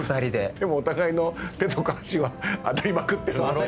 でもお互いの手とか脚は当たりまくってるんですよね。